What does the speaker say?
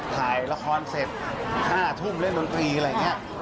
ถ่ายละครเสร็จ๕ทุ่มเล่นดนตรีอะไรอย่างนี้